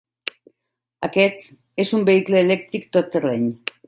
Aquest és un vehicle elèctric tot terreny.